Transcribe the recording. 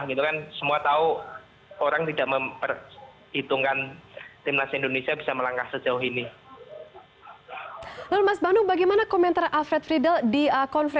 itu mungkin untuk